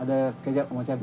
ada kecap sama cabe